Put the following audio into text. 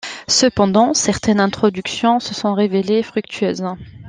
Cependant, certaines introductions se sont révélées fructueuses.